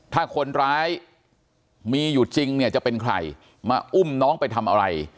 ถ้าคนร้ายมีอยู่จริงเนี่ยจะเป็นใครมาอุ้มน้องไปทำอะไร